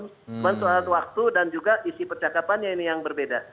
tentu ada waktu dan juga isi percakapan yang berbeda